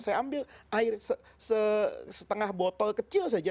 saya ambil air setengah botol kecil saja